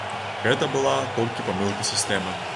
Гэта была толькі памылка сістэмы.